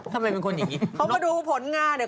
ทำไมเป็นคนอย่างนี้เขามาดูผลงาน